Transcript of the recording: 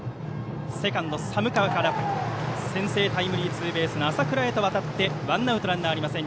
セカンド、寒川から先制タイムリーツーベースの浅倉へと渡ってワンアウトランナーありません。